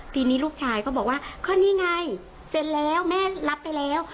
ทีนี้ลูกชายก็บอกว่าก็นี่ไงเสร็จแล้วแม่รับไปแล้ว